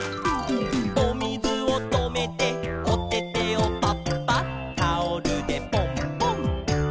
「おみずをとめておててをパッパッ」「タオルでポンポン」